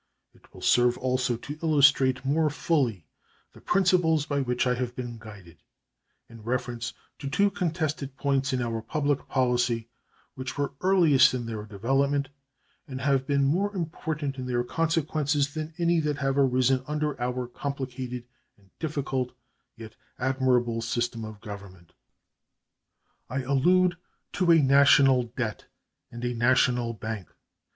It will serve also to illustrate more fully the principles by which I have been guided in reference to two contested points in our public policy which were earliest in their development and have been more important in their consequences than any that have arisen under our complicated and difficult, yet admirable, system of government. I allude to a national debt and a national bank.